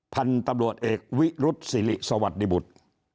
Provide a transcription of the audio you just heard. พันธุ์ตำรวจเอกวิรุษศิริสวัสดิบุตร